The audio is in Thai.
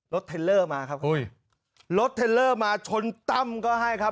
เทลเลอร์มาครับอุ้ยรถเทลเลอร์มาชนตั้มก็ให้ครับ